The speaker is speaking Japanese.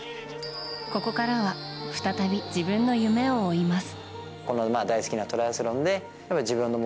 ここからは再び自分の夢を追います。